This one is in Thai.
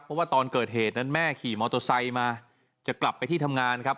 เพราะว่าตอนเกิดเหตุนั้นแม่ขี่มอเตอร์ไซค์มาจะกลับไปที่ทำงานครับ